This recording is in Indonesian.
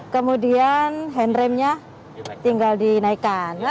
kemudian handraimnya tinggal dinaikkan